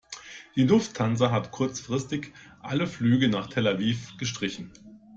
Die Lufthansa hat kurzfristig alle Flüge nach Tel Aviv gestrichen.